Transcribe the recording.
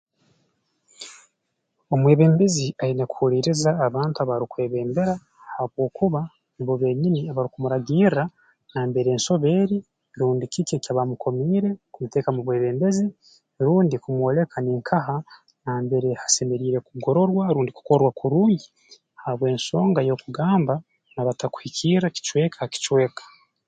Omwebembezi aine kuhuliiriza abantu abaarukwebembera habwokuba nubo beenyini abarukumuragirra nambere ensobi eri rundi kiki eki baamukomiire kumuteeka mu bwebembezi rundi kumwoleka ninkaha nambere hasemeriire kugororwa rundi kukorwa kurungi habw'ensonga y'okugamba naaba atakuhikirra kicweka ha kicweka